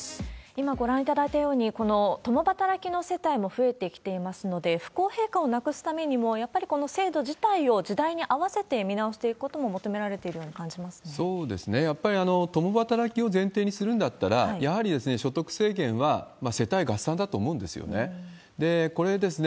今ご覧いただいたように、この共働きの世帯も増えてきていますので、不公平感をなくすためにも、やっぱりこの制度自体を、時代に合わせて見直していくことも求められているように感じますそうですね、やっぱり共働きを前提にするんだったら、やはり所得制限は世帯合算だと思うんですよね。